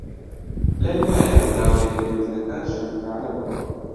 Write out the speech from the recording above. لای وایە داوای لێبوردنەکە شەرمنانە بووە